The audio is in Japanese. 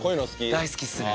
大好きですね。